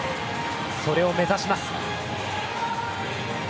それを目指します。